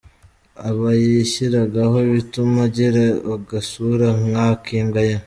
Aha yishyiragaho ibituma agira agasura nka k'imbwa ye.